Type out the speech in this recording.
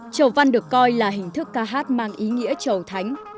chầu văn được coi là hình thức ca hát mang ý nghĩa trầu thánh